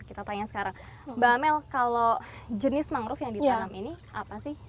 kita tanya sekarang mbak amel kalau jenis mangrove yang ditanam ini apa sih